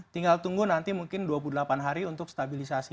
tinggal tunggu nanti mungkin dua puluh delapan hari untuk stabilisasi